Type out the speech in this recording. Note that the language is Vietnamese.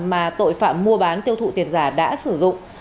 mà tội phạm mua bán tiêu thụ tiền giả đã sử dụng